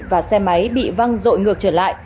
và xe máy bị văng rội ngược trở lại